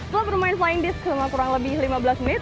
so lo pernah main flying disk selama kurang lebih lima belas menit